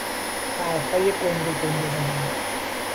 حرفهای گنده گنده زدن